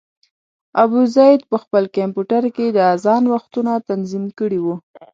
ابوزید په خپل کمپیوټر کې د اذان وختونه تنظیم کړي وو.